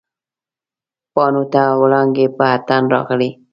پاڼو ته وړانګې په اتڼ راغلي